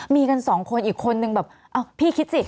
มีกัน๒คนอีกคนนึงแบบพี่คิดสิ